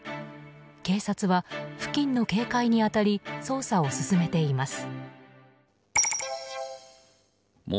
警察は付近の警戒に当たり捜査を進めています。